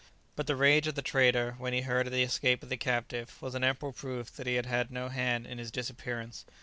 But the rage of the trader when he heard of the escape of the captive was an ample proof that he had had no hand in his disappearance.